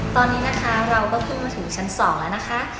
ตอนนี้นะคะเราก็ขึ้นมาถึงชั้น๒แล้วนะคะ